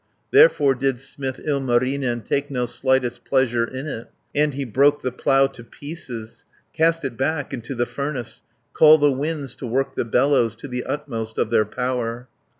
Therefore did smith Ilmarinen Take no slightest pleasure in it. And he broke the plough to pieces, Cast it back into the furnace, 390 Call the winds to work the bellows To the utmost of their power.